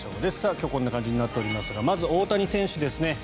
今日はこんな感じになっておりますがまず大谷選手ですね。